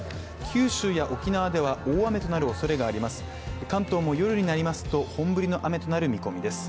九州や沖縄では大雨となるおそれがあります。